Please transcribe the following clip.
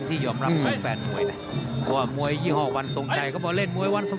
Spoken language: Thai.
ครับครับครับครับครับครับครับครับครับครับครับครับครับ